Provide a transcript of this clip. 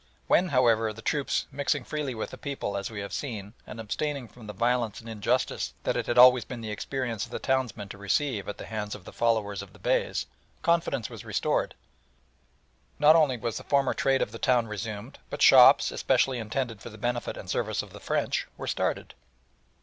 When, however, the troops mixing freely with the people, as we have seen, and abstaining from the violence and injustice that it had always been the experience of the townsmen to receive at the hands of the followers of the Beys, confidence was restored, not only was the former trade of the town resumed, but shops, especially intended for the benefit and service of the French, were started.